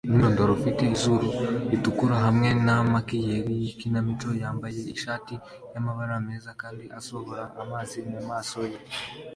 Umwirondoro ufite izuru ritukura hamwe na makiyeri yikinamico yambaye ishati yamabara meza kandi asohora amazi mumaso ye